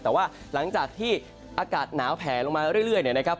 แต่ว่าหลังจากที่อากาศหนาวแผลลงมาเรื่อยเนี่ยนะครับ